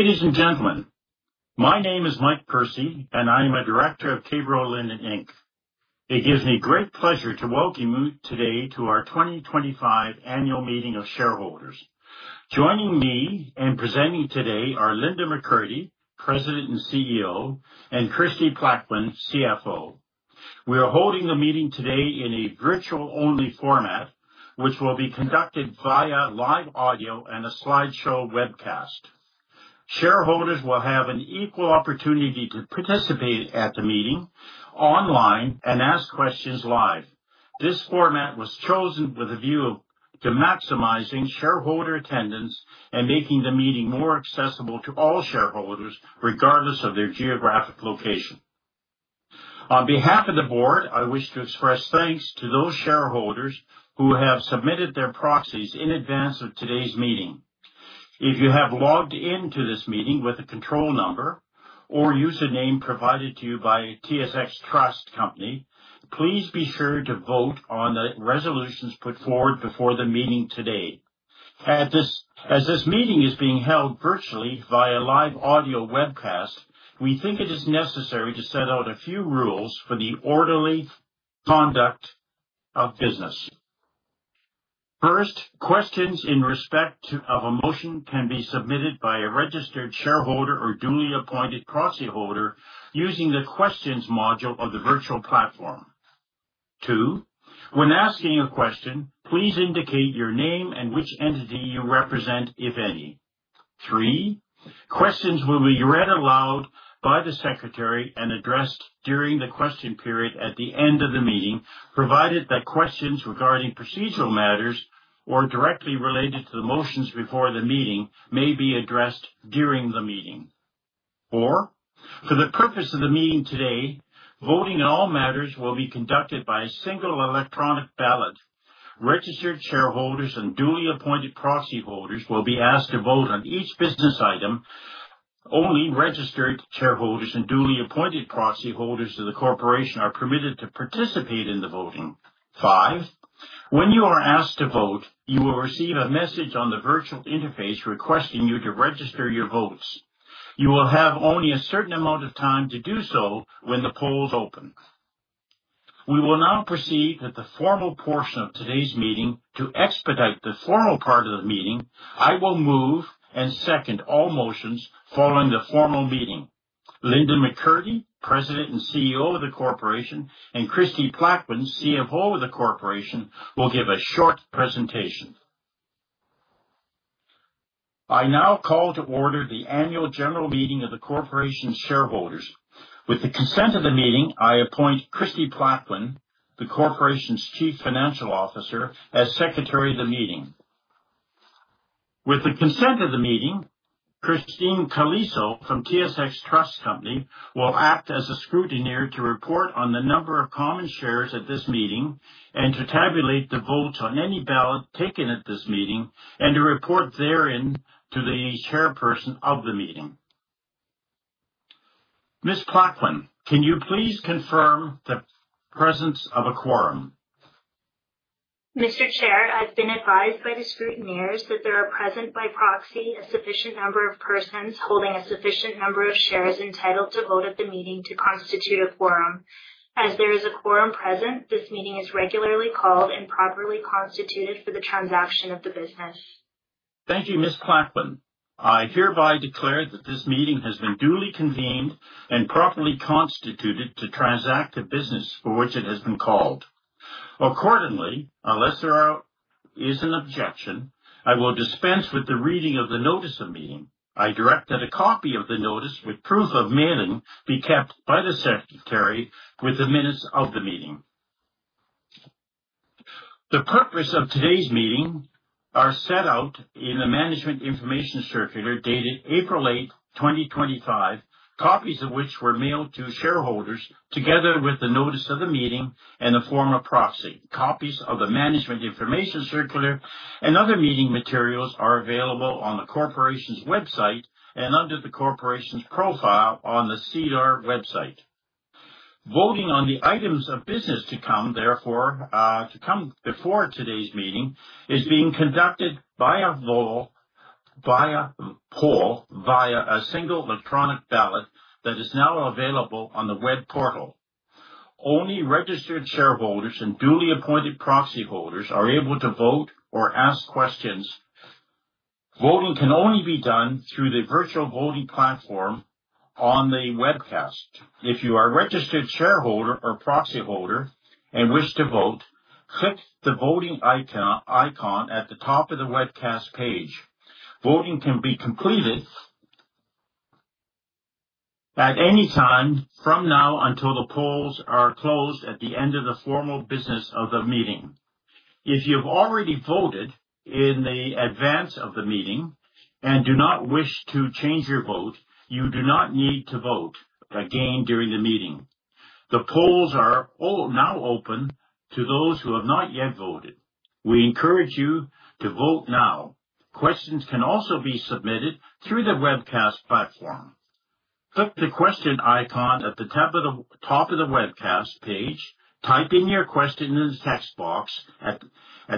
Ladies and gentlemen, my name is Michael Percy and I am a Director of K-Bro Linen Inc. It gives me great pleasure to welcome you today to our 2025 annual meeting of shareholders. Joining me in presenting today are Linda McCurdy, President and CEO, and Kristie Plaquin, CFO. We are holding the meeting today in a virtual only format, which will be conducted via live audio and a slideshow webcast. Shareholders will have an equal opportunity to participate at the meeting online and ask questions live. This format was chosen with a view to maximizing shareholder attendance and making the meeting more accessible to all shareholders, regardless of their geographic location. On behalf of the board, I wish to express thanks to those shareholders who have submitted their proxies in advance of today's meeting. If you have logged into this meeting with a control number or username provided to you by TSX Trust Company, please be sure to vote on the resolutions put forward before the meeting today. As this meeting is being held virtually via live audio webcast, we think it is necessary to set out a few rules for the orderly conduct of business. First, questions in respect of a motion can be submitted by a registered shareholder or duly appointed proxy holder using the questions module of the virtual platform. Two, when asking a question, please indicate your name and which entity you represent, if any. Three, questions will be read aloud by the secretary and addressed during the question period at the end of the meeting, provided that questions regarding procedural matters or directly related to the motions before the meeting may be addressed during the meeting. Four, for the purpose of the meeting today, voting in all matters will be conducted by a single electronic ballot. Registered shareholders and duly appointed proxy holders will be asked to vote on each business item. Only registered shareholders and duly appointed proxy holders to the corporation are permitted to participate in the voting. Five, when you are asked to vote, you will receive a message on the virtual interface requesting you to register your votes. You will have only a certain amount of time to do so when the polls open. We will now proceed with the formal portion of today's meeting. To expedite the formal part of the meeting, I will move and second all motions following the formal meeting. Linda McCurdy, President and CEO of the corporation, and Kristie Plaquin, CFO of the corporation, will give a short presentation. I now call to order the Annual General Meeting of the corporation shareholders. With the consent of the meeting, I appoint Kristie Plaquin, the corporation's Chief Financial Officer, as secretary of the meeting. With the consent of the meeting, Kristine Calesso from TSX Trust Company will act as a scrutineer to report on the number of common shares at this meeting and to tabulate the votes on any ballot taken at this meeting and to report therein to the chairperson of the meeting. Miss Plaquin, can you please confirm the presence of a quorum? Mr. Chair, I've been advised by the scrutineers that there are present by proxy a sufficient number of persons holding a sufficient number of shares entitled to vote at the meeting to constitute a quorum. As there is a quorum present, this meeting is regularly called and properly constituted for the transaction of the business. Thank you, Miss Plaquin. I hereby declare that this meeting has been duly convened and properly constituted to transact the business for which it has been called. Accordingly, unless there is an objection, I will dispense with the reading of the notice of meeting. I direct that a copy of the notice with proof of mailing be kept by the secretary with the minutes of the meeting. The purpose of today's meeting are set out in the management information circular dated April 8, 2025, copies of which were mailed to shareholders together with the notice of the meeting and the form of proxy. Copies of the management information circular and other meeting materials are available on the corporation's website and under the corporation's profile on the SEDAR website. Voting on the items of business to come before today's meeting is being conducted by ballot via poll via a single electronic ballot that is now available on the web portal. Only registered shareholders and duly appointed proxy holders are able to vote or ask questions. Voting can only be done through the virtual voting platform on the webcast. If you are a registered shareholder or proxy holder and wish to vote, click the voting icon at the top of the webcast page. Voting can be completed at any time from now until the polls are closed at the end of the formal business of the meeting. If you've already voted in advance of the meeting and do not wish to change your vote, you do not need to vote again during the meeting. The polls are all now open to those who have not yet voted. We encourage you to vote now. Questions can also be submitted through the webcast platform. Click the question icon at the top of the webcast page. Type in your question in the text box at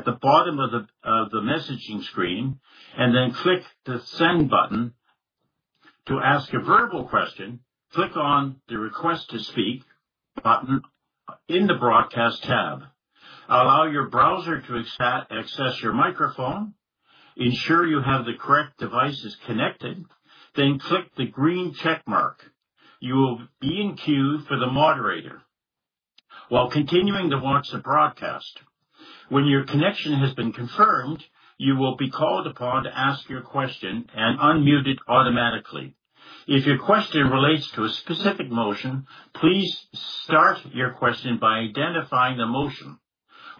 the bottom of the messaging screen, and then click the Send button. To ask a verbal question, click on the Request to Speak button in the Broadcast tab. Allow your browser to access your microphone. Ensure you have the correct devices connected, then click the green check mark. You will be in queue for the moderator while continuing to watch the broadcast. When your connection has been confirmed, you will be called upon to ask your question and unmuted automatically. If your question relates to a specific motion, please start your question by identifying the motion.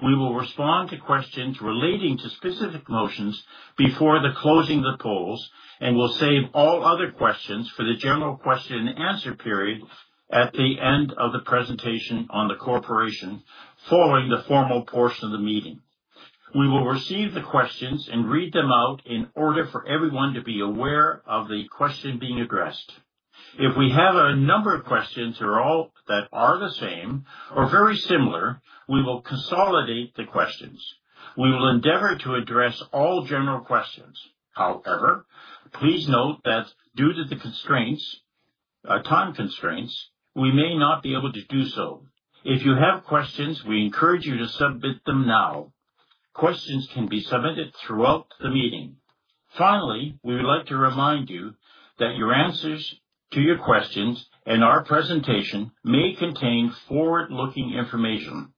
We will respond to questions relating to specific motions before the closing of the polls, and we'll save all other questions for the general question-and-answer period at the end of the presentation on the corporation, following the formal portion of the meeting. We will receive the questions and read them out in order for everyone to be aware of the question being addressed. If we have a number of questions or all that are the same or very similar, we will consolidate the questions. We will endeavor to address all general questions. However, please note that due to the constraints, time constraints, we may not be able to do so. If you have questions, we encourage you to submit them now. Questions can be submitted throughout the meeting. Finally, we would like to remind you that our answers to your questions and our presentation may contain forward-looking information.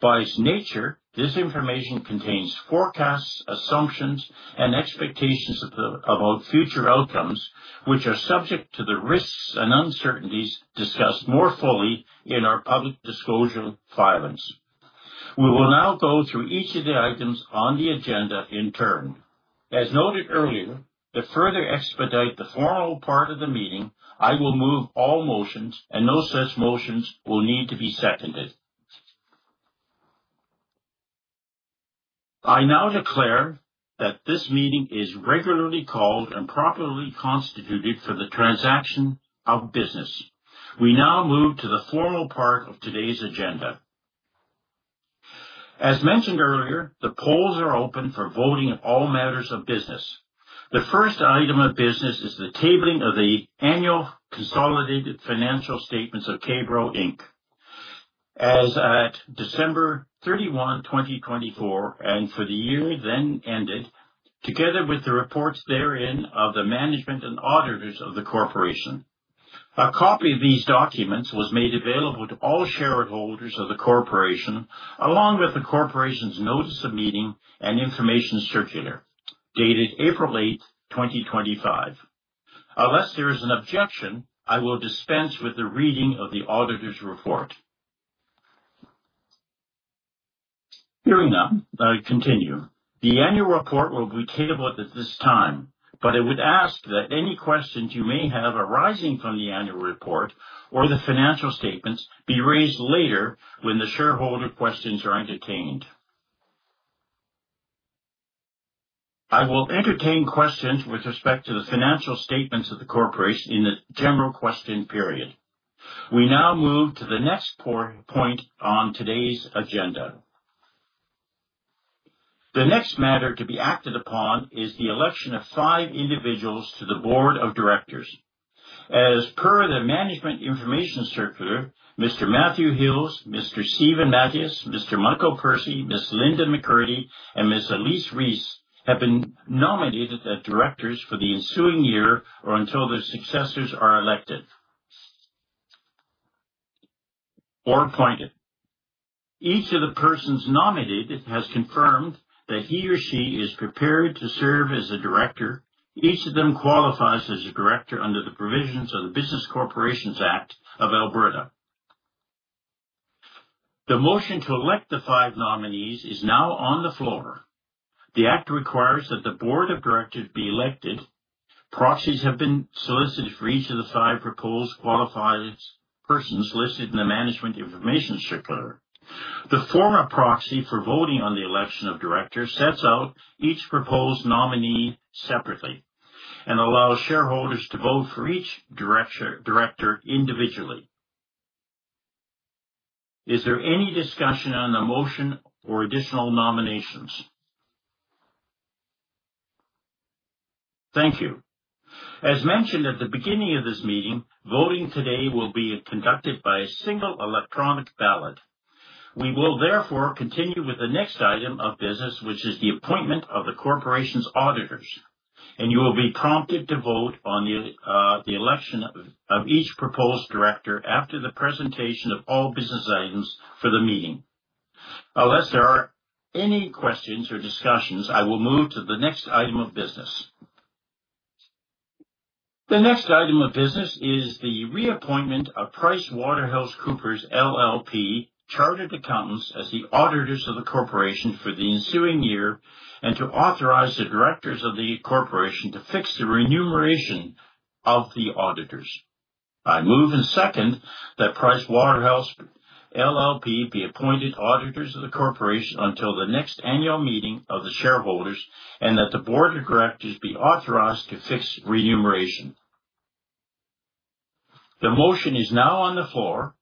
By its nature, this information contains forecasts, assumptions, and expectations of our future outcomes, which are subject to the risks and uncertainties discussed more fully in our public disclosure filings. We will now go through each of the items on the agenda in turn. As noted earlier, to further expedite the formal part of the meeting, I will move all motions and no such motions will need to be seconded. I now declare that this meeting is regularly called and properly constituted for the transaction of business. We now move to the formal part of today's agenda. As mentioned earlier, the polls are open for voting on all matters of business. The first item of business is the tabling of the annual consolidated financial statements of K-Bro Inc. As at December 31, 2024, and for the year then ended, together with the reports therein of the management and auditors of the corporation. A copy of these documents was made available to all shareholders of the corporation, along with the corporation's notice of meeting and information circular, dated April 8, 2025. Unless there is an objection, I will dispense with the reading of the auditor's report. Hearing none, I continue. The annual report will be tabled at this time, but I would ask that any questions you may have arising from the annual report or the financial statements be raised later when the shareholder questions are entertained. I will entertain questions with respect to the financial statements of the corporation in the general question period. We now move to the next point on today's agenda. The next matter to be acted upon is the election of five individuals to the board of directors. As per the management information circular, Mr. Matthew Hills, Mr. Steven Matyas, Mr. Michael Percy, Ms. Linda McCurdy, and Ms. Elise Rees have been nominated as directors for the ensuing year or until their successors are elected or appointed. Each of the persons nominated has confirmed that he or she is prepared to serve as a director. Each of them qualifies as a director under the provisions of the Business Corporations Act of Alberta. The motion to elect the five nominees is now on the floor. The act requires that the board of directors be elected. Proxies have been solicited for each of the five proposed qualified persons listed in the management information circular. The form of proxy for voting on the election of directors sets out each proposed nominee separately and allows shareholders to vote for each director individually. Is there any discussion on the motion or additional nominations? Thank you. As mentioned at the beginning of this meeting, voting today will be conducted by a single electronic ballot. We will therefore continue with the next item of business, which is the appointment of the corporation's auditors, and you will be prompted to vote on the election of each proposed director after the presentation of all business items for the meeting. Unless there are any questions or discussions, I will move to the next item of business. The next item of business is the reappointment of PricewaterhouseCoopers LLP chartered accountants as the auditors of the corporation for the ensuing year and to authorize the directors of the corporation to fix the remuneration of the auditors. I move and second that Pricewaterhouse LLP be appointed auditors of the corporation until the next annual meeting of the shareholders, and that the board of directors be authorized to fix remuneration. The motion is now on the floor.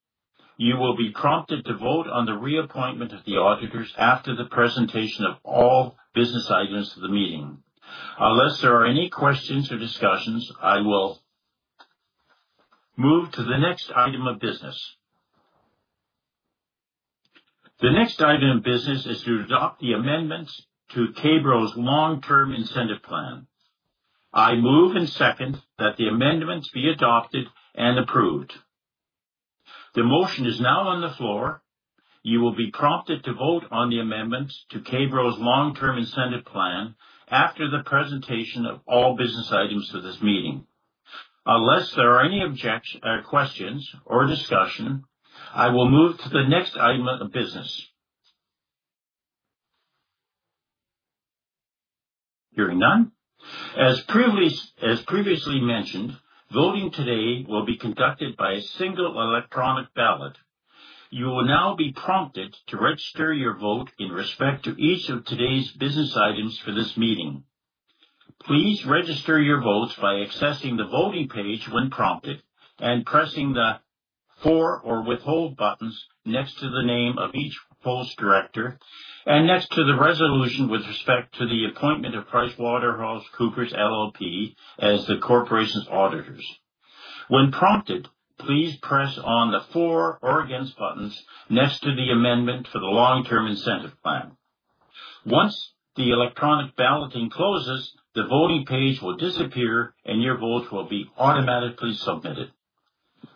You will be prompted to vote on the reappointment of the auditors after the presentation of all business items of the meeting. Unless there are any questions or discussions, I will move to the next item of business. The next item of business is to adopt the amendments to K-Bro's long-term incentive plan. I move and second that the amendments be adopted and approved. The motion is now on the floor. You will be prompted to vote on the amendments to K-Bro's long-term incentive plan after the presentation of all business items for this meeting. Unless there are any questions or discussion, I will move to the next item of business. Hearing none, as previously mentioned, voting today will be conducted by a single electronic ballot. You will now be prompted to register your vote in respect to each of today's business items for this meeting. Please register your vote by accessing the voting page when prompted, and pressing the for or withhold buttons next to the name of each director and next to the resolution with respect to the appointment of PricewaterhouseCoopers LLP as the corporation's auditors. When prompted, please press on the for or against buttons next to the amendment for the long-term incentive plan. Once the electronic balloting closes, the voting page will disappear and your vote will be automatically submitted.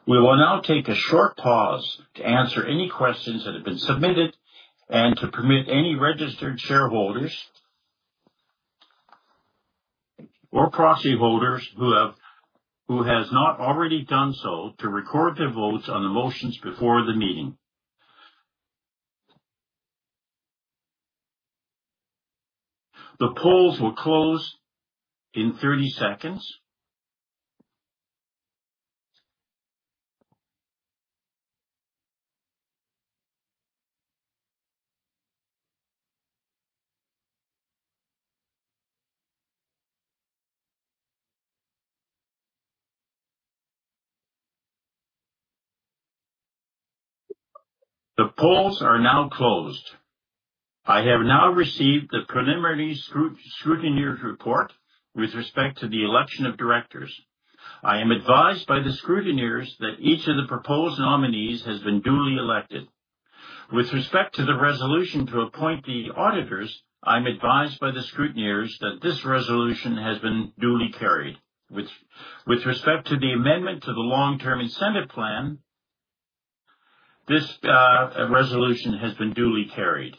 We will now take a short pause to answer any questions that have been submitted and to permit any registered shareholders or proxy holders who has not already done so to record their votes on the motions before the meeting. The polls will close in 30 seconds. The polls are now closed. I have now received the preliminary scrutineer's report with respect to the election of directors. I am advised by the scrutineers that each of the proposed nominees has been duly elected. With respect to the resolution to appoint the auditors, I'm advised by the scrutineers that this resolution has been duly carried. With respect to the amendment to the long-term incentive plan, this resolution has been duly carried.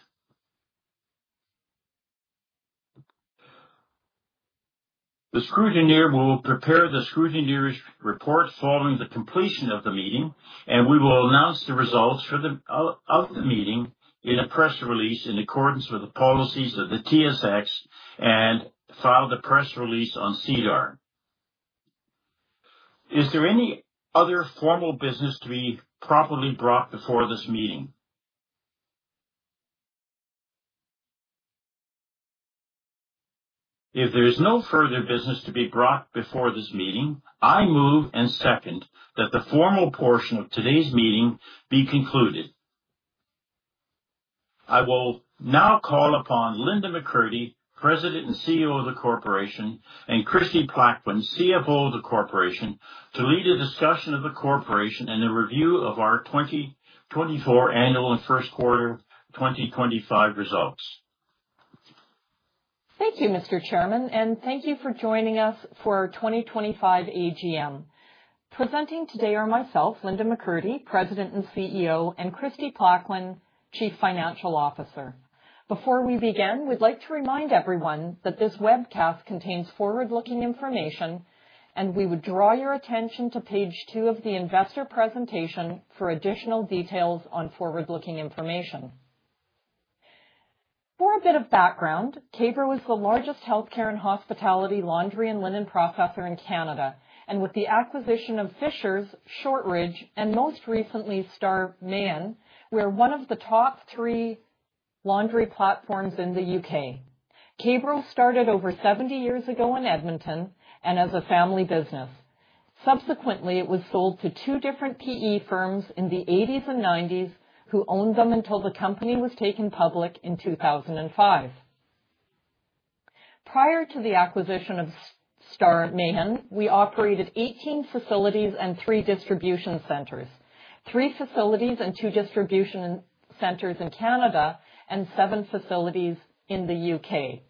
The scrutineer will prepare the scrutineer's report following the completion of the meeting, and we will announce the results for the meeting in a press release in accordance with the policies of the TSX and file the press release on SEDAR. Is there any other formal business to be properly brought before this meeting? If there's no further business to be brought before this meeting, I move and second that the formal portion of today's meeting be concluded. I will now call upon Linda McCurdy, President and CEO of the corporation, and Kristie Plaquin, CFO of the corporation, to lead a discussion of the corporation and a review of our 2024 annual and first quarter 2025 results. Thank you, Mr. Chairman, and thank you for joining us for our 2025 AGM. Presenting today are myself, Linda McCurdy, President and CEO, and Kristie Plaquin, Chief Financial Officer. Before we begin, we'd like to remind everyone that this webcast contains forward-looking information, and we would draw your attention to page two of the investor presentation for additional details on forward-looking information. For a bit of background, K-Bro was the largest healthcare and hospitality laundry and linen processor in Canada, and with the acquisition of Fishers, Shortridge, and most recently, Star Mayan, we are one of the top three laundry platforms in the U.K. K-Bro started over 70 years ago in Edmonton and as a family business. Subsequently, it was sold to two different PE firms in the 1980s and 1990s, who owned them until the company was taken public in 2005. Prior to the acquisition of Star Mayan, we operated 18 facilities and three distribution centers, three facilities and two distribution centers in Canada and seven facilities in the U.K.,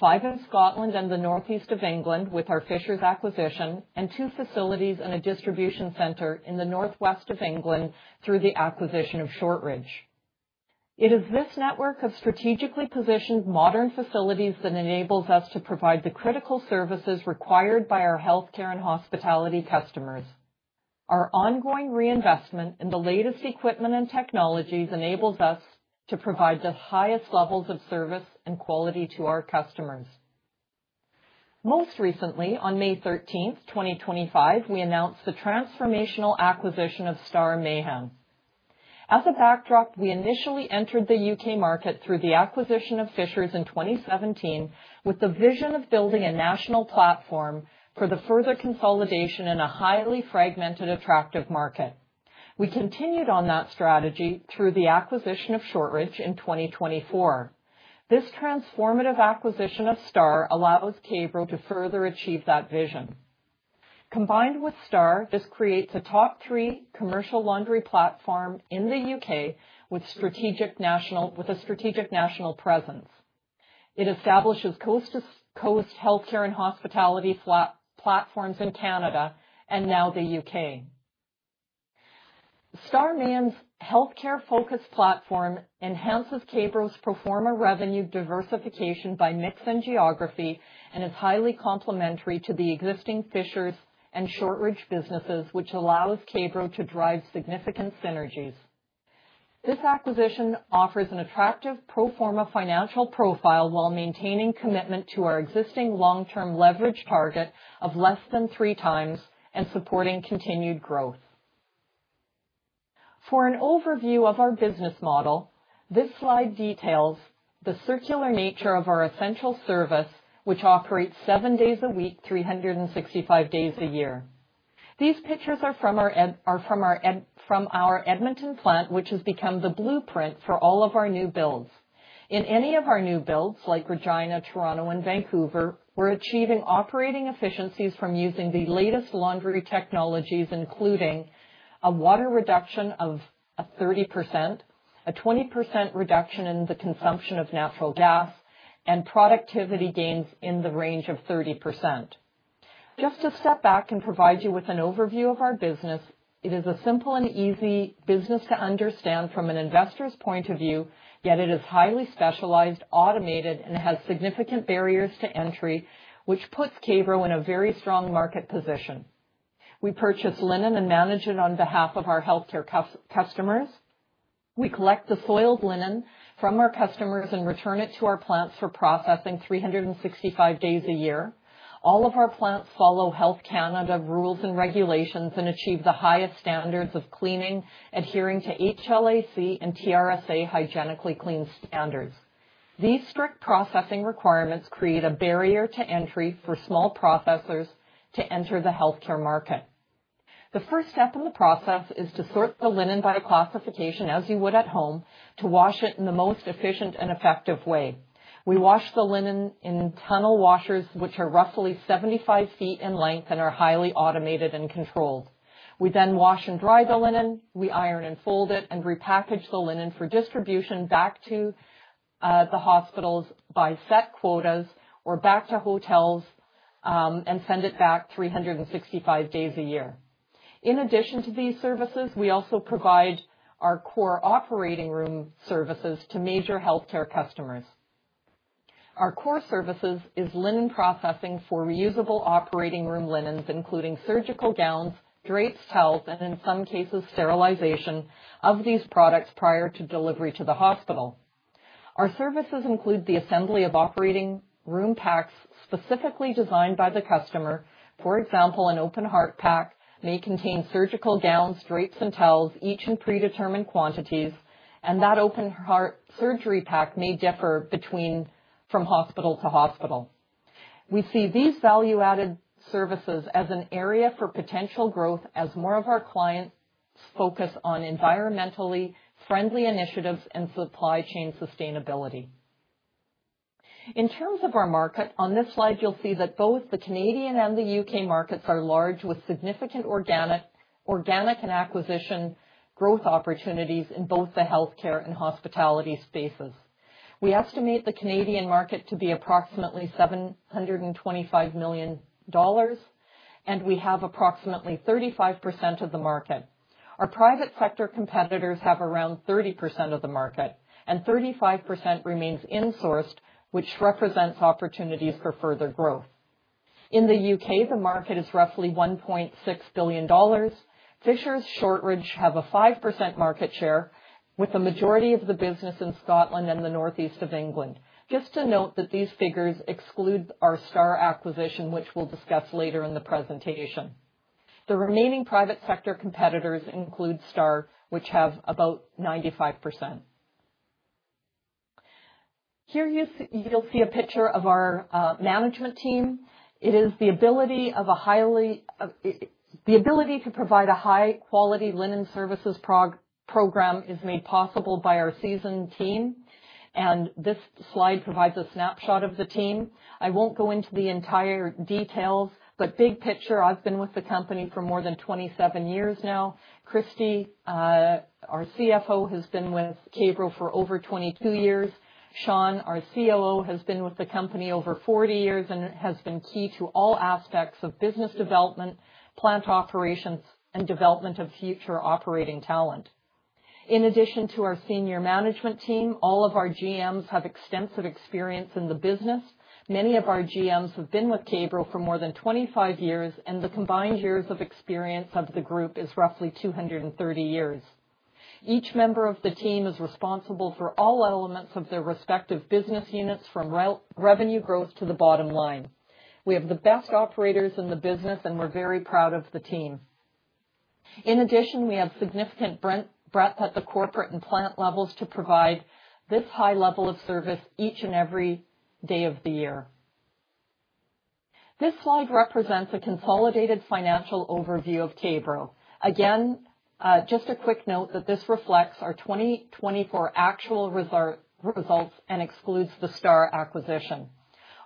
five in Scotland and the Northeast of England with our Fishers acquisition and two facilities and a distribution center in the Northwest of England through the acquisition of Shortridge. It is this network of strategically positioned modern facilities that enables us to provide the critical services required by our healthcare and hospitality customers. Our ongoing reinvestment in the latest equipment and technologies enables us to provide the highest levels of service and quality to our customers. Most recently, on May 13th, 2025, we announced the transformational acquisition of Star Mayan. As a backdrop, we initially entered the U.K. market through the acquisition of Fishers in 2017, with the vision of building a national platform for the further consolidation in a highly fragmented, attractive market. We continued on that strategy through the acquisition of Shortridge in 2024. This transformative acquisition of Star allows K-Bro to further achieve that vision. Combined with Star, this creates a top three commercial laundry platform in the U.K. with a strategic national presence. It establishes coast-to-coast healthcare and hospitality platforms in Canada and now the U.K. Star Mayan's healthcare-focused platform enhances K-Bro's pro forma revenue diversification by mix and geography, and is highly complementary to the existing Fishers and Shortridge businesses, which allows K-Bro to drive significant synergies. This acquisition offers an attractive pro forma financial profile while maintaining commitment to our existing long-term leverage target of less than 3x and supporting continued growth. For an overview of our business model, this slide details the circular nature of our essential service, which operates seven days a week, 365 days a year. These pictures are from our Edmonton plant, which has become the blueprint for all of our new builds. In any of our new builds, like Regina, Toronto and Vancouver, we're achieving operating efficiencies from using the latest laundry technologies, including a water reduction of 30%, a 20% reduction in the consumption of natural gas, and productivity gains in the range of 30%. Just to step back and provide you with an overview of our business, it is a simple and easy business to understand from an investor's point of view, yet it is highly specialized, automated, and has significant barriers to entry, which puts K-Bro in a very strong market position. We purchase linen and manage it on behalf of our healthcare customers. We collect the soiled linen from our customers and return it to our plants for processing 365 days a year. All of our plants follow Health Canada rules and regulations and achieve the highest standards of cleaning, adhering to HLAC and TRSA hygienically clean standards. These strict processing requirements create a barrier to entry for small processors to enter the healthcare market. The first step in the process is to sort the linen by classification, as you would at home, to wash it in the most efficient and effective way. We wash the linen in tunnel washers, which are roughly 75 ft in length and are highly automated and controlled. We then wash and dry the linen, we iron and fold it, and repackage the linen for distribution back to the hospitals by set quotas or back to hotels, and send it back 365 days a year. In addition to these services, we also provide our core operating room services to major healthcare customers. Our core services is linen processing for reusable operating room linens, including surgical gowns, drapes, towels, and in some cases, sterilization of these products prior to delivery to the hospital. Our services include the assembly of operating room packs specifically designed by the customer. For example, an open heart pack may contain surgical gowns, drapes, and towels, each in predetermined quantities, and that open heart surgery pack may differ from hospital to hospital. We see these value-added services as an area for potential growth as more of our clients focus on environmentally friendly initiatives and supply chain sustainability. In terms of our market, on this slide you'll see that both the Canadian and the U.K. markets are large with significant organic and acquisition growth opportunities in both the healthcare and hospitality spaces. We estimate the Canadian market to be approximately 725 million dollars, and we have approximately 35% of the market. Our private sector competitors have around 30% of the market and 35% remains insourced, which represents opportunities for further growth. In the U.K., the market is roughly 1.6 billion dollars. Fishers and Shortridge have a 5% market share, with the majority of the business in Scotland and the northeast of England. Just to note that these figures exclude our Star acquisition, which we'll discuss later in the presentation. The remaining private sector competitors include Star, which have about 95%. Here you'll see a picture of our management team. The ability to provide a high-quality linen services program is made possible by our seasoned team, and this slide provides a snapshot of the team. I won't go into the entire details, but big picture, I've been with the company for more than 27 years now. Kristie, our CFO, has been with K-Bro for over 22 years. Sean, our COO, has been with the company over 40 years and has been key to all aspects of business development, plant operations, and development of future operating talent. In addition to our senior management team, all of our GMs have extensive experience in the business. Many of our GMs have been with K-Bro for more than 25 years, and the combined years of experience of the group is roughly 230 years. Each member of the team is responsible for all elements of their respective business units, from revenue growth to the bottom line. We have the best operators in the business, and we're very proud of the team. In addition, we have significant breadth at the corporate and plant levels to provide this high level of service each and every day of the year. This slide represents a consolidated financial overview of K-Bro. Again, just a quick note that this reflects our 2024 actual results and excludes the Star acquisition.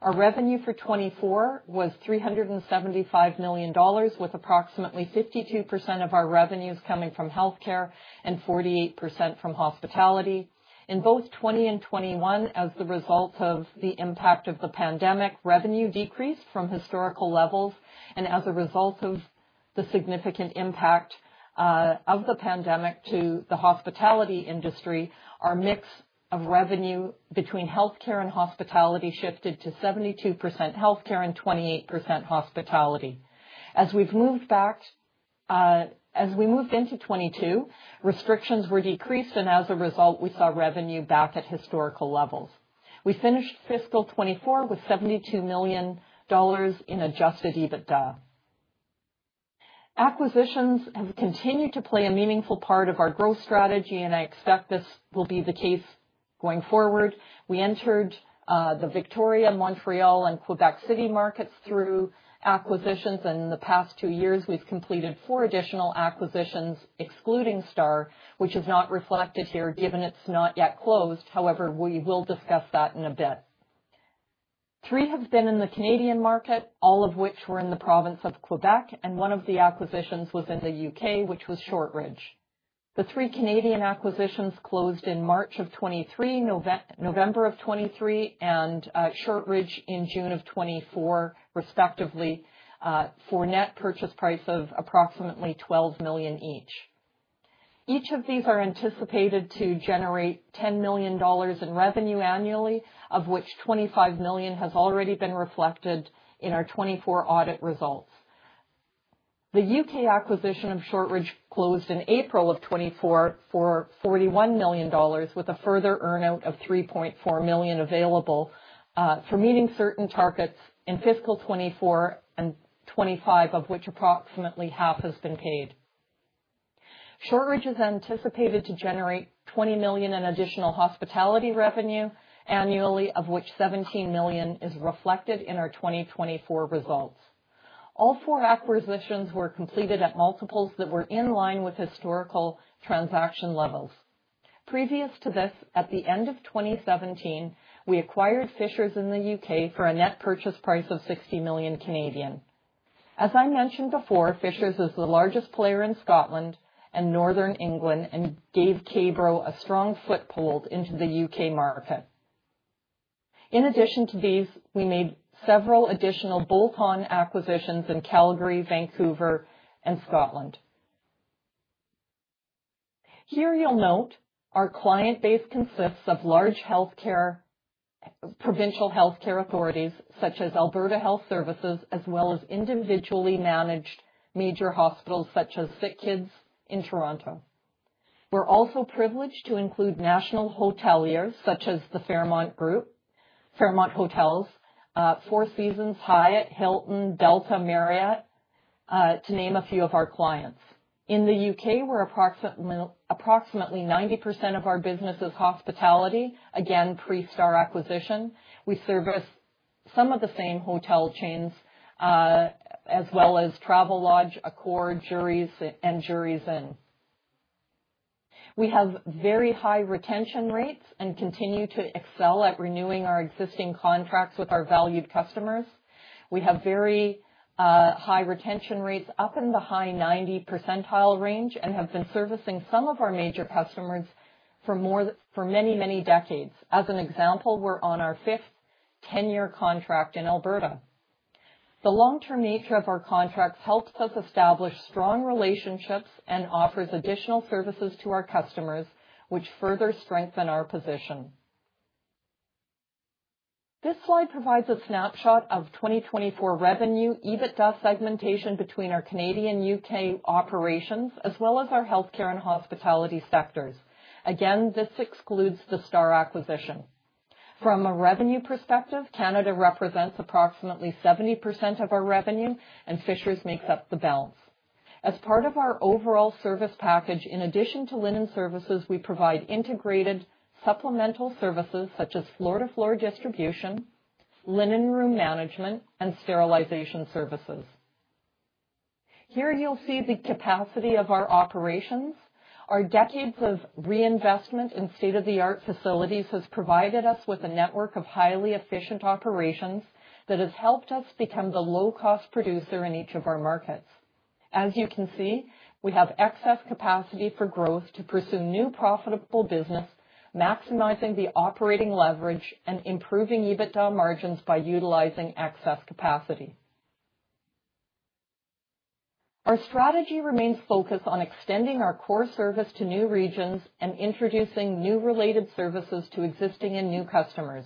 Our revenue for 2024 was 375 million dollars, with approximately 52% of our revenues coming from healthcare and 48% from hospitality. In both 2020 and 2021, as the result of the impact of the pandemic, revenue decreased from historical levels, and as a result of the significant impact of the pandemic to the hospitality industry, our mix of revenue between healthcare and hospitality shifted to 72% healthcare and 28% hospitality. As we moved into 2022, restrictions were decreased, and as a result, we saw revenue back at historical levels. We finished fiscal 2024 with 72 million dollars in adjusted EBITDA. Acquisitions have continued to play a meaningful part of our growth strategy, and I expect this will be the case going forward. We entered the Victoria, Montreal, and Quebec City markets through acquisitions. In the past two years, we've completed four additional acquisitions, excluding Star, which is not reflected here given it's not yet closed. However, we will discuss that in a bit. Three have been in the Canadian market, all of which were in the province of Quebec, and one of the acquisitions was in the U.K., which was Shortridge. The three Canadian acquisitions closed in March of 2023, November of 2023, and Shortridge in June of 2024, respectively, for net purchase price of approximately 12 million each. Each of these are anticipated to generate 10 million dollars in revenue annually, of which 25 million has already been reflected in our 2024 audit results. The U.K. acquisition of Shortridge closed in April of 2024 for 41 million dollars, with a further earn-out of 3.4 million available, for meeting certain targets in fiscal 2024 and 2025, of which approximately half has been paid. Shortridge is anticipated to generate 20 million in additional hospitality revenue annually, of which 17 million is reflected in our 2024 results. All four acquisitions were completed at multiples that were in line with historical transaction levels. Previous to this, at the end of 2017, we acquired Fishers in the U.K. for a net purchase price of 60 million. As I mentioned before, Fishers is the largest player in Scotland and Northern England and gave K-Bro a strong foothold into the U.K. market. In addition to these, we made several additional bolt-on acquisitions in Calgary, Vancouver, and Scotland. Here, you'll note our client base consists of large provincial healthcare authorities such as Alberta Health Services, as well as individually managed major hospitals such as SickKids in Toronto. We're also privileged to include national hoteliers such as the Fairmont Group, Fairmont Hotels, Four Seasons, Hyatt, Hilton, Delta, Marriott, to name a few of our clients. In the U.K., we're approximately 90% of our business is hospitality. Again, pre-Star acquisition. We service some of the same hotel chains, as well as Travelodge, Accor, Jurys, and Jurys Inn. We have very high retention rates and continue to excel at renewing our existing contracts with our valued customers. We have very high retention rates, up in the high 90 percentile range, and have been servicing some of our major customers for many, many decades. As an example, we're on our fifth ten-year contract in Alberta. The long-term nature of our contracts helps us establish strong relationships and offers additional services to our customers, which further strengthen our position. This slide provides a snapshot of 2024 revenue, EBITDA segmentation between our Canadian, U.K. operations, as well as our healthcare and hospitality sectors. Again, this excludes the Star acquisition. From a revenue perspective, Canada represents approximately 70% of our revenue, and Fishers makes up the balance. As part of our overall service package, in addition to linen services, we provide integrated supplemental services such as floor-to-floor distribution, linen room management, and sterilization services. Here you'll see the capacity of our operations. Our decades of reinvestment in state-of-the-art facilities has provided us with a network of highly efficient operations that has helped us become the low-cost producer in each of our markets. As you can see, we have excess capacity for growth to pursue new profitable business, maximizing the operating leverage and improving EBITDA margins by utilizing excess capacity. Our strategy remains focused on extending our core service to new regions and introducing new related services to existing and new customers.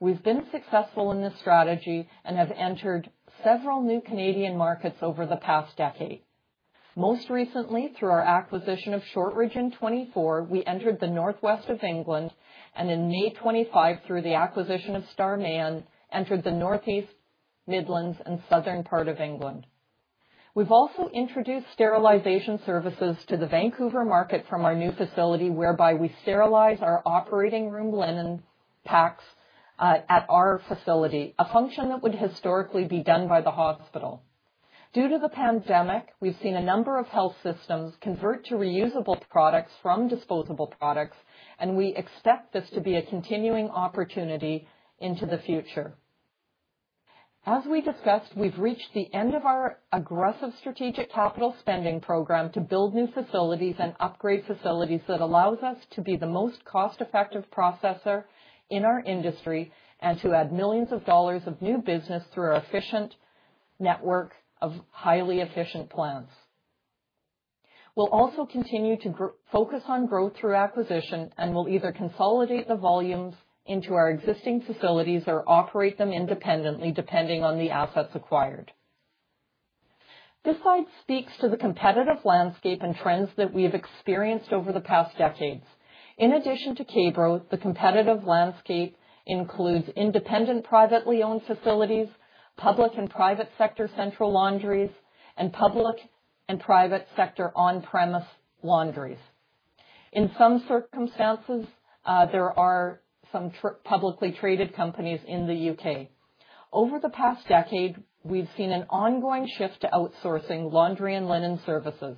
We've been successful in this strategy and have entered several new Canadian markets over the past decade. Most recently, through our acquisition of Shortridge in 2024, we entered the Northwest of England, and in May 2025, through the acquisition of Star Mayan, entered the Northeast Midlands and southern part of England. We've also introduced sterilization services to the Vancouver market from our new facility, whereby we sterilize our operating room linen packs, at our facility, a function that would historically be done by the hospital. Due to the pandemic, we've seen a number of health systems convert to reusable products from disposable products, and we expect this to be a continuing opportunity into the future. As we discussed, we've reached the end of our aggressive strategic capital spending program to build new facilities and upgrade facilities that allows us to be the most cost-effective processor in our industry, and to add millions of dollars of new business through our efficient network of highly efficient plants. We'll also continue to focus on growth through acquisition, and we'll either consolidate the volumes into our existing facilities or operate them independently depending on the assets acquired. This slide speaks to the competitive landscape and trends that we have experienced over the past decades. In addition to K-Bro, the competitive landscape includes independent, privately owned facilities, public and private sector central laundries, and public and private sector on-premise laundries. In some circumstances, there are some publicly traded companies in the U.K. Over the past decade, we've seen an ongoing shift to outsourcing laundry and linen services.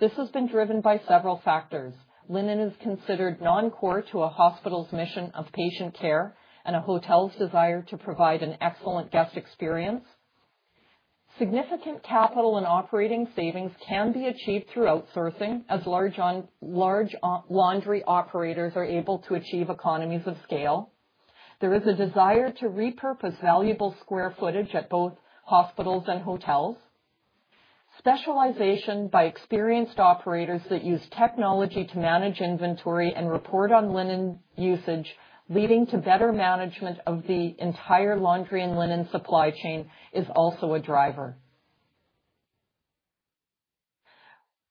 This has been driven by several factors. Linen is considered non-core to a hospital's mission of patient care and a hotel's desire to provide an excellent guest experience. Significant capital and operating savings can be achieved through outsourcing as large laundry operators are able to achieve economies of scale. There is a desire to repurpose valuable square footage at both hospitals and hotels. Specialization by experienced operators that use technology to manage inventory and report on linen usage, leading to better management of the entire laundry and linen supply chain is also a driver.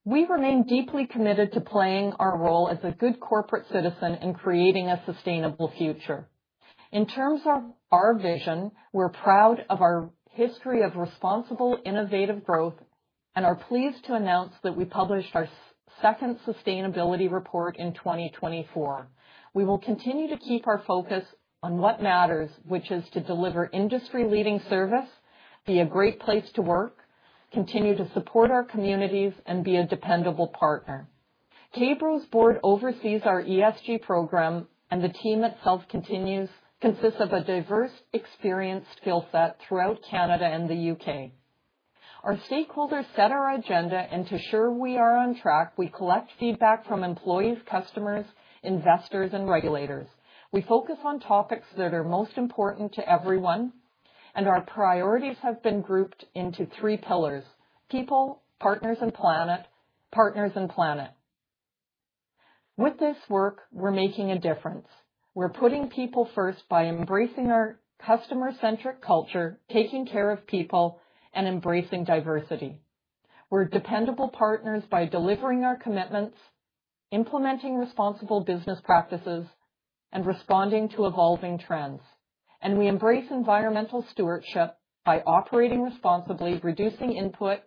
We remain deeply committed to playing our role as a good corporate citizen in creating a sustainable future. In terms of our vision, we're proud of our history of responsible, innovative growth and are pleased to announce that we published our second Sustainability Report in 2024. We will continue to keep our focus on what matters, which is to deliver industry leading service, be a great place to work, continue to support our communities, and be a dependable partner. K-Bro's board oversees our ESG program, and the team itself consists of a diverse, experienced skill set throughout Canada and the U.K. Our stakeholders set our agenda, and to ensure we are on track, we collect feedback from employees, customers, investors, and regulators. We focus on topics that are most important to everyone, and our priorities have been grouped into three pillars, people, partners, and planet. With this work, we're making a difference. We're putting people first by embracing our customer-centric culture, taking care of people, and embracing diversity. We're dependable partners by delivering our commitments, implementing responsible business practices, and responding to evolving trends. We embrace environmental stewardship by operating responsibly, reducing input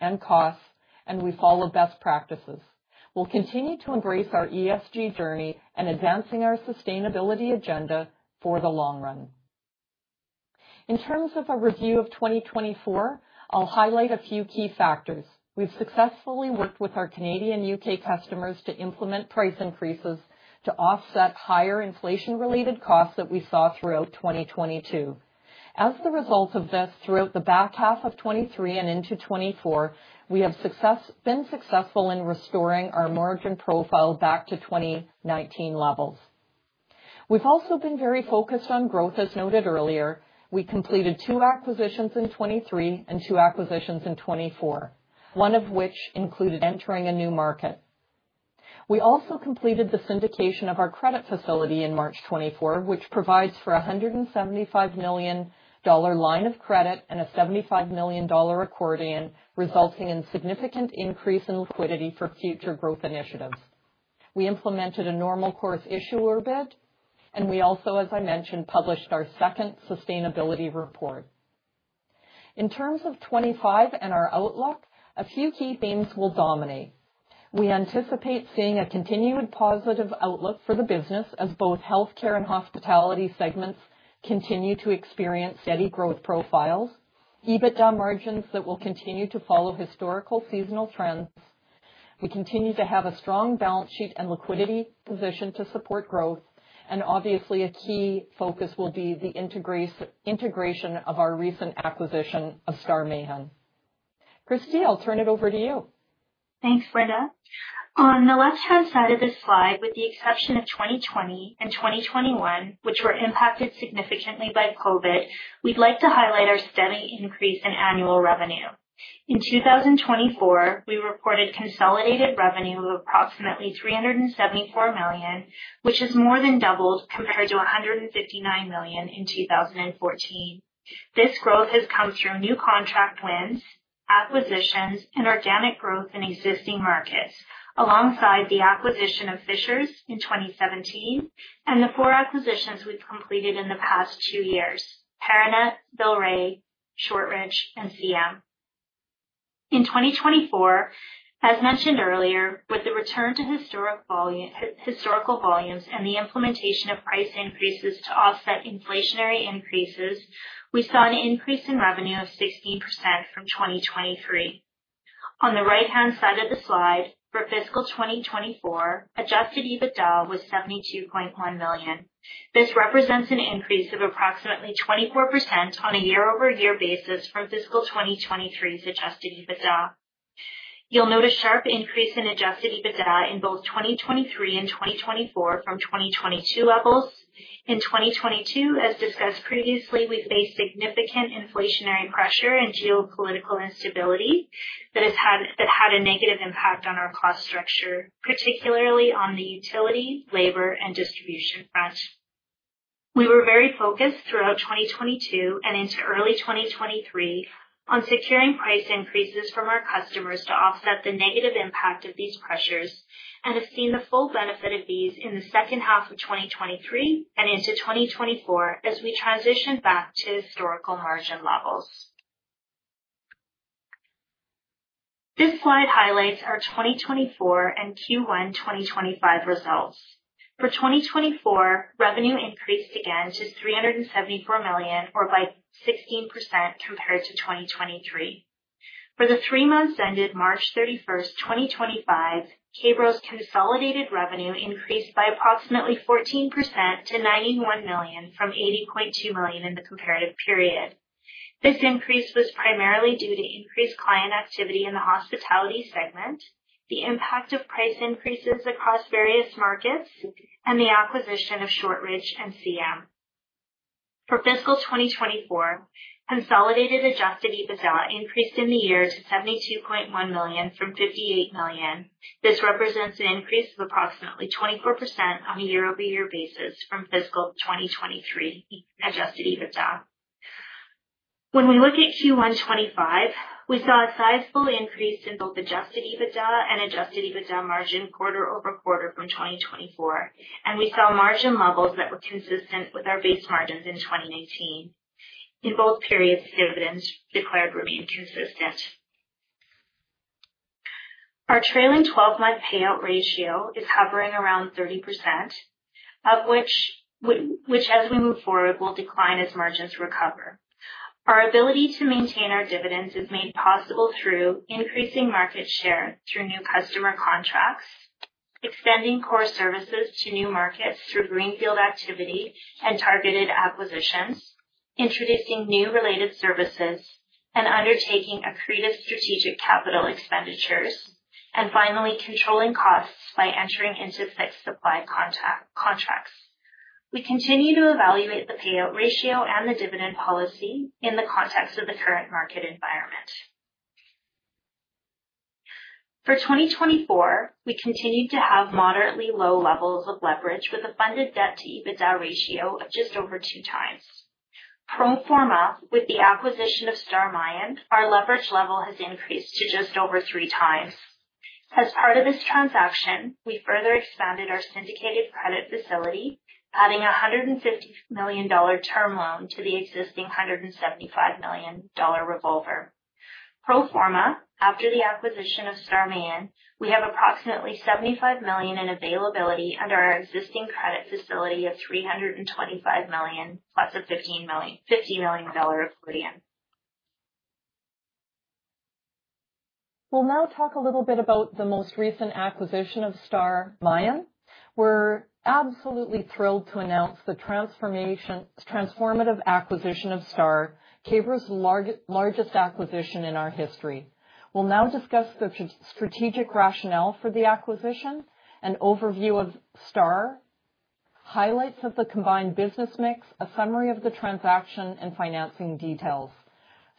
and costs, and we follow best practices. We'll continue to embrace our ESG journey and advancing our sustainability agenda for the long run. In terms of a review of 2024, I'll highlight a few key factors. We've successfully worked with our Canadian and U.K. customers to implement price increases to offset higher inflation-related costs that we saw throughout 2022. As the result of this, throughout the back half of 2023 and into 2024, we have been successful in restoring our margin profile back to 2019 levels. We've also been very focused on growth, as noted earlier. We completed two acquisitions in 2023 and two acquisitions in 2024. One of which included entering a new market. We also completed the syndication of our credit facility in March 2024, which provides for a 175 million dollar line of credit and a 75 million dollar accordion, resulting in significant increase in liquidity for future growth initiatives. We implemented a normal course issuer bid, and we also, as I mentioned, published our second Sustainability Report. In terms of 2025 and our outlook, a few key themes will dominate. We anticipate seeing a continued positive outlook for the business as both healthcare and hospitality segments continue to experience steady growth profiles, EBITDA margins that will continue to follow historical seasonal trends. We continue to have a strong balance sheet and liquidity position to support growth, and obviously, a key focus will be the integration of our recent acquisition of Star Mayan. Kristie, I'll turn it over to you. Thanks, Linda. On the left-hand side of this slide, with the exception of 2020 and 2021, which were impacted significantly by COVID, we'd like to highlight our steady increase in annual revenue. In 2024, we reported consolidated revenue of approximately CAD 374 million, which has more than doubled compared to CAD 159 million in 2014. This growth has come through new contract wins, acquisitions and organic growth in existing markets, alongside the acquisition of Fishers in 2017 and the four acquisitions we've completed in the past two years, Paranet, Villeray, Shortridge, and C.M. In 2024, as mentioned earlier, with the return to historic volume, historical volumes and the implementation of price increases to offset inflationary increases, we saw an increase in revenue of 16% from 2023. On the right-hand side of the slide, for fiscal 2024, adjusted EBITDA was 72.1 million. This represents an increase of approximately 24% on a year-over-year basis from fiscal 2023's adjusted EBITDA. You'll note a sharp increase in adjusted EBITDA in both 2023 and 2024 from 2022 levels. In 2022, as discussed previously, we faced significant inflationary pressure and geopolitical instability that had a negative impact on our cost structure, particularly on the utility, labor, and distribution front. We were very focused throughout 2022 and into early 2023 on securing price increases from our customers to offset the negative impact of these pressures and have seen the full benefit of these in the second half of 2023 and into 2024 as we transition back to historical margin levels. This slide highlights our 2024 and Q1 2025 results. For 2024, revenue increased again to CAD 374 million or by 16% compared to 2023. For the three months ended March 31st, 2025, K-Bro's consolidated revenue increased by approximately 14% to 91 million from 80.2 million in the comparative period. This increase was primarily due to increased client activity in the hospitality segment, the impact of price increases across various markets, and the acquisition of Shortridge and C.M. For fiscal 2024, consolidated adjusted EBITDA increased in the year to 72.1 million from 58 million. This represents an increase of approximately 24% on a year-over-year basis from fiscal 2023 adjusted EBITDA. When we look at Q1 2025, we saw a sizable increase in both adjusted EBITDA and adjusted EBITDA margin quarter-over-quarter from 2024, and we saw margin levels that were consistent with our base margins in 2019. In both periods, dividends declared remained consistent. Our trailing 12-month payout ratio is hovering around 30%, which, as we move forward, will decline as margins recover. Our ability to maintain our dividends is made possible through increasing market share through new customer contracts, extending core services to new markets through greenfield activity and targeted acquisitions, introducing new related services, and undertaking accretive strategic capital expenditures, and finally, controlling costs by entering into fixed supply contracts. We continue to evaluate the payout ratio and the dividend policy in the context of the current market environment. For 2024, we continued to have moderately low levels of leverage with a funded debt-to-EBITDA ratio of just over 2x. Pro forma, with the acquisition of Star Mayan, our leverage level has increased to just over 3x. As part of this transaction, we further expanded our syndicated credit facility, adding a 150 million dollar term loan to the existing 175 million dollar revolver. Pro forma, after the acquisition of Star Mayan, we have approximately CAD 75 million in availability under our existing credit facility of CAD 325 million, plus a 50-million-dollar [accordion]. We'll now talk a little bit about the most recent acquisition of Star Mayan. We're absolutely thrilled to announce the transformative acquisition of Star, K-Bro's largest acquisition in our history. We'll now discuss the strategic rationale for the acquisition, an overview of Star, highlights of the combined business mix, a summary of the transaction, and financing details.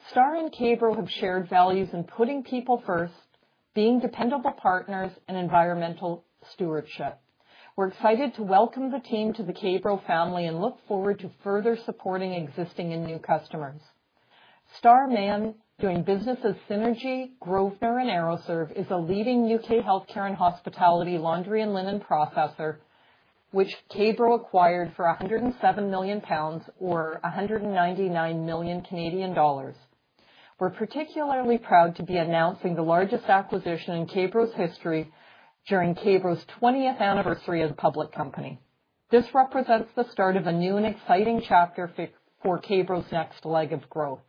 Star and K-Bro have shared values in putting people first, being dependable partners, and environmental stewardship. We're excited to welcome the team to the K-Bro family and look forward to further supporting existing and new customers. Star Mayan, doing business as Synergy, Grosvenor, and Aeroserve, is a leading U.K. healthcare and hospitality laundry and linen processor, which K-Bro acquired for 107 million pounds or 199 million Canadian dollars. We're particularly proud to be announcing the largest acquisition in K-Bro's history during K-Bro's 20th anniversary as a public company. This represents the start of a new and exciting chapter for K-Bro's next leg of growth.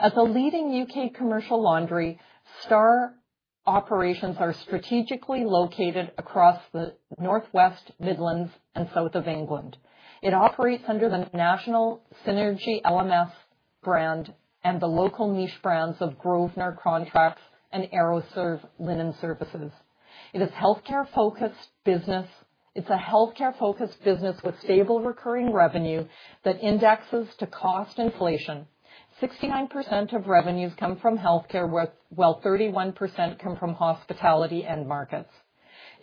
As a leading U.K. commercial laundry, Star operations are strategically located across the Northwest, Midlands, and South of England. It operates under the national Synergy LMS brand and the local niche brands of Grosvenor Contracts and Aeroserve Linen Services. It is a healthcare-focused business with stable recurring revenue that indexes to cost inflation. 69% of revenues come from healthcare, while 31% come from hospitality end markets.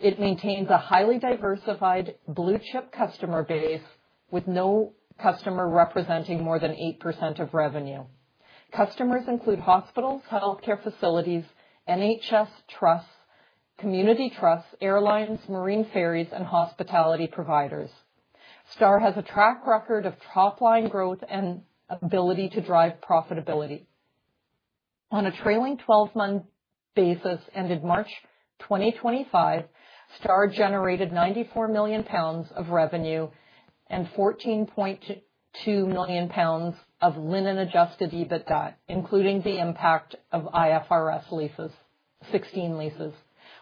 It maintains a highly diversified blue-chip customer base with no customer representing more than 8% of revenue. Customers include hospitals, healthcare facilities, NHS trusts, community trusts, airlines, marine ferries and hospitality providers. Star has a track record of top-line growth and ability to drive profitability. On a trailing 12-month basis ended March 2025, Star generated 94 million pounds of revenue and 14.2 million pounds of linen adjusted EBITDA, including the impact of IFRS 16 leases.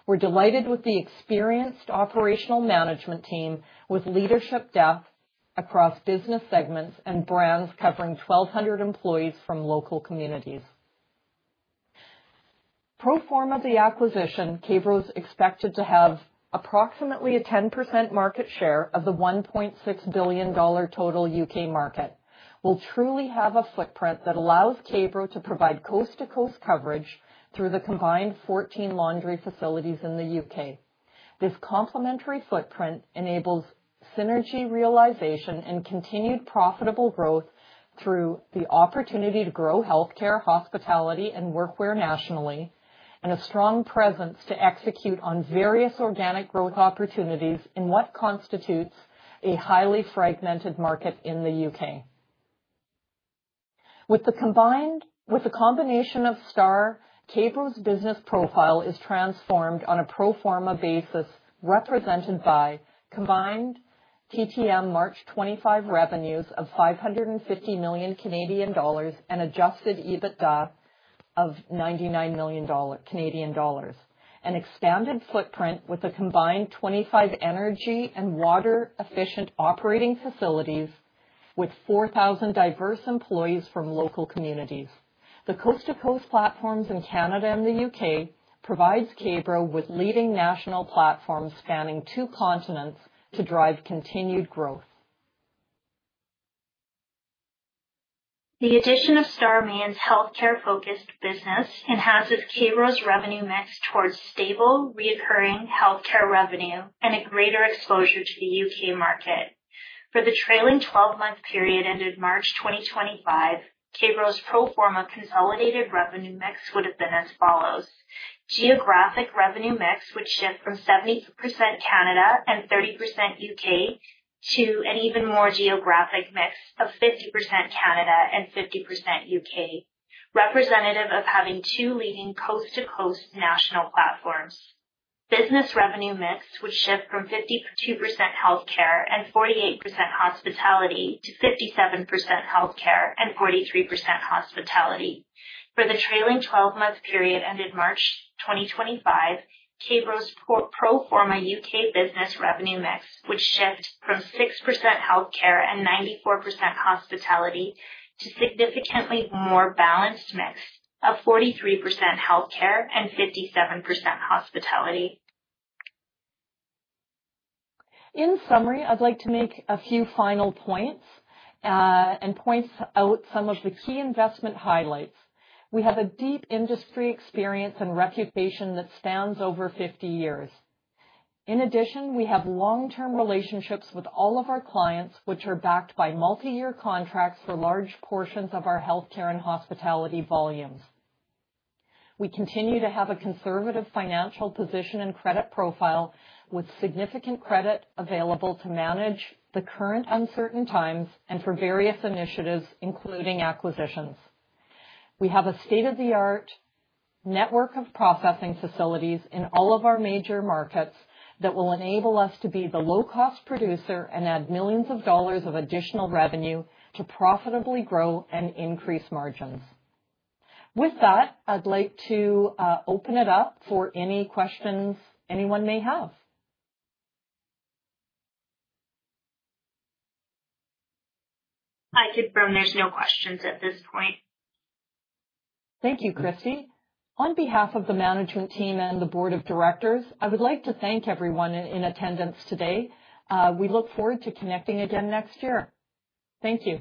We're delighted with the experienced operational management team, with leadership depth across business segments and brands covering 1,200 employees from local communities. Pro forma the acquisition, K-Bro is expected to have approximately a 10% market share of the 1.6 billion dollar total U.K. market. It will truly have a footprint that allows K-Bro to provide coast-to-coast coverage through the combined 14 laundry facilities in the U.K. This complementary footprint enables synergy realization and continued profitable growth through the opportunity to grow healthcare, hospitality and workwear nationally, and a strong presence to execute on various organic growth opportunities in what constitutes a highly fragmented market in the U.K. With the combination of Star, K-Bro's business profile is transformed on a pro forma basis represented by combined TTM March 2025 revenues of 550 million Canadian dollars and adjusted EBITDA of 99 million Canadian dollars, an expanded footprint with a combined 25 energy and water-efficient operating facilities with 4,000 diverse employees from local communities. The coast-to-coast platforms in Canada and the U.K. provides K-Bro with leading national platforms spanning two continents to drive continued growth. The addition of Star means healthcare-focused business enhances K-Bro's revenue mix towards stable recurring healthcare revenue and a greater exposure to the U.K. market. For the trailing 12-month period ended March 2025, K-Bro's pro forma consolidated revenue mix would have been as follows. Geographic revenue mix would shift from 70% Canada and 30% U.K. to an even more geographic mix of 50% Canada and 50% U.K., representative of having two leading coast-to-coast national platforms. Business revenue mix would shift from 52% healthcare and 48% hospitality to 57% healthcare and 43% hospitality. For the trailing 12-month period ended March 2025, K-Bro's pro forma U.K. business revenue mix would shift from 6% healthcare and 94% hospitality to significantly more balanced mix of 43% healthcare and 57% hospitality. In summary, I'd like to make a few final points and point out some of the key investment highlights. We have a deep industry experience and reputation that spans over 50 years. In addition, we have long-term relationships with all of our clients, which are backed by multi-year contracts for large portions of our healthcare and hospitality volumes. We continue to have a conservative financial position and credit profile with significant credit available to manage the current uncertain times and for various initiatives, including acquisitions. We have a state-of-the-art network of processing facilities in all of our major markets that will enable us to be the low-cost producer and add millions of dollars of additional revenue to profitably grow and increase margins. With that, I'd like to open it up for any questions anyone may have. I confirm there's no questions at this point. Thank you, Kristie. On behalf of the management team and the board of directors, I would like to thank everyone in attendance today. We look forward to connecting again next year. Thank you.